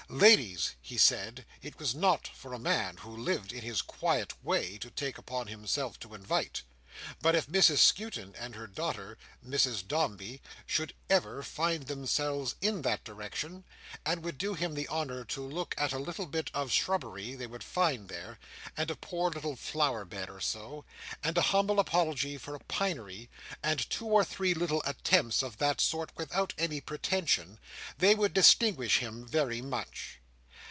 Ladies, he said, it was not for a man who lived in his quiet way to take upon himself to invite—but if Mrs Skewton and her daughter, Mrs Dombey, should ever find themselves in that direction, and would do him the honour to look at a little bit of a shrubbery they would find there, and a poor little flower bed or so, and a humble apology for a pinery, and two or three little attempts of that sort without any pretension, they would distinguish him very much.